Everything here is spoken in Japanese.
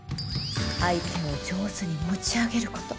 相手を上手に持ち上げること。